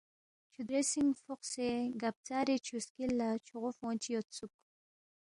چھُو دریسِنگ فوقسے گبژارے چھُو سکِل لہ چھوغو فونگ چی یودسُوک